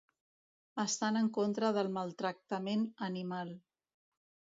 Estan en contra del maltractament animal.